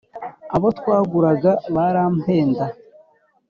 abo twaguraga barampenda